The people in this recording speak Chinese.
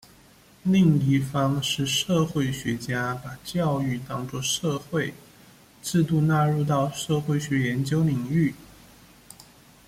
另一方是社会学家把教育当作社会制度纳入到社会学研究领域。